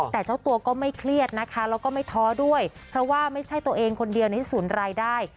แต่เจ้าตัวก็ไม่เครียดนะคะแล้วก็ไม่ท้อด้วยเพราะว่าไม่ใช่ตัวเองคนเดียวในศูนย์รายได้